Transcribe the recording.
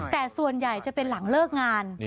แต่ส่วนใหญ่จะเป็นหลังเลิกงาน